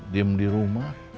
diam di rumah